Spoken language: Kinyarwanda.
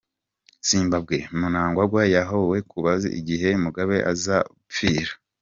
Zimbabwe: Mnangagwa yahowe kubaza igihe Mugabe azopfira.